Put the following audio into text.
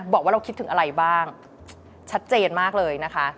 บอกว่าเราคิดถึงอะไรบ้างชัดเจนมากเลยนะคะ